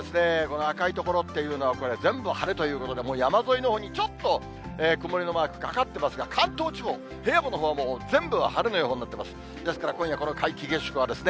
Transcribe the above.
この赤い所というのは、これ、全部晴れということで、もう山沿いのほうにちょっと曇りのマークかかってますが、関東地方、平野部のほうはもう全部晴れの予報になっています。